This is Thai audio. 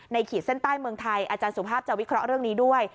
ขีดเส้นใต้เมืองไทยอาจารย์สุภาพจะวิเคราะห์เรื่องนี้ด้วย